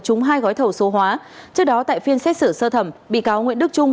trúng hai gói thầu số hóa trước đó tại phiên xét xử sơ thẩm bị cáo nguyễn đức trung